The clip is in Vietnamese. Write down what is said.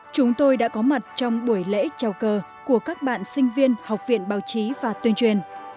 chúng tôi đã có mặt trong buổi lễ chào cờ của các bạn sinh viên học viện báo chí và tuyên truyền